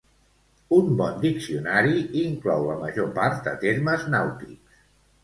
Un bon diccionari inclou la major part de termes nàutics.